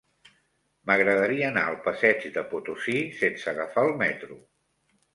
M'agradaria anar al passeig de Potosí sense agafar el metro.